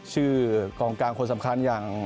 กองกลางคนสำคัญอย่าง